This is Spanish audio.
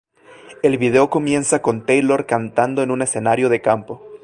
El video comienza con Taylor cantando en un escenario de campo.